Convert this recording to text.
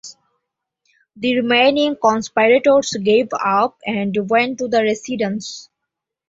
The remaining conspirators gave up and went to the residence.